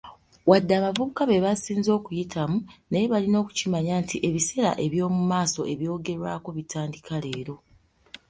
Wadde abavubuka be basinze okuyitamu, naye balina okukimanya nti ebiseera eby'omumaaso ebyogerwako bitandika leero.